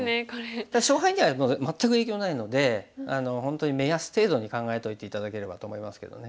ただ勝敗には全く影響ないので本当に目安程度に考えといて頂ければと思いますけどね。